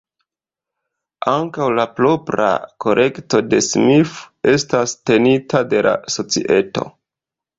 Ankaŭ la propra kolekto de Smith estas tenita de la Societo.